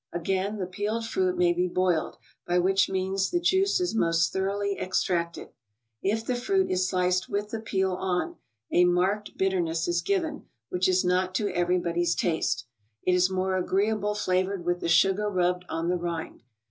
Again, the peeled fruit may be boiled, by which means the juice is most thoroughly extracted. If the fruit is sliced with the peel on, a marked bitterness is given, which is not to everybody's taste. It is more agreeable fla¬ vored with the sugar rubbed on the rind.